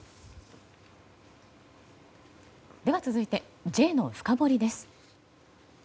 では、続いてＪのフカボリです。